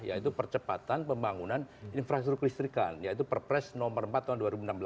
yaitu percepatan pembangunan infrastruktur kelistrikan yaitu perpres nomor empat tahun dua ribu enam belas